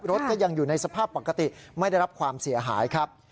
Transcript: รถก็ยังอยู่ในสภาพปกติไม่ได้รับความเสียหายครับ